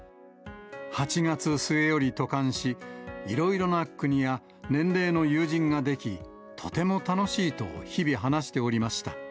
８月末より渡韓し、いろいろな国や年齢の友人が出来、とても楽しいと日々話しておりました。